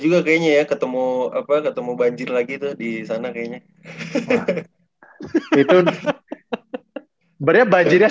juga kayaknya ya ketemu apa ketemu banjir lagi tuh di sana kayaknya itu berubah jelas